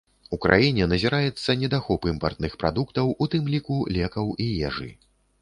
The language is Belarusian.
У краіне назіраецца недахоп імпартных прадуктаў, у тым ліку лекаў і ежы.